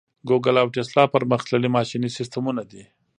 ګوګل او ټیسلا پرمختللي ماشیني سیسټمونه دي.